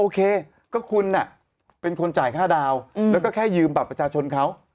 โอเคก็คุณเป็นคนจ่ายค่าดาวแล้วก็แค่ยืมบัตรประชาชนเขา